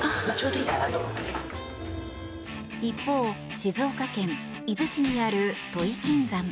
一方、静岡県伊豆市にある土肥金山。